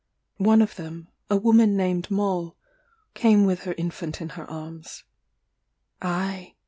One of them, a woman named Moll, came with her infant in her arms. "Ay!"